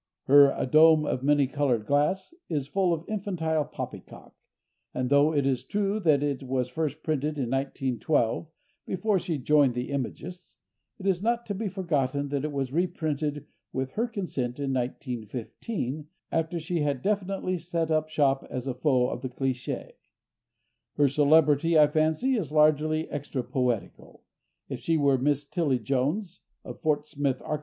Her "A Dome of Many Colored Glass" is full of infantile poppycock, and though it is true that it was first printed in 1912, before she joined the Imagists, it is not to be forgotten that it was reprinted with her consent in 1915, after she had definitely set up shop as a foe of the cliché. Her celebrity, I fancy, is largely extra poetical; if she were Miss Tilly Jones, of Fort Smith, Ark.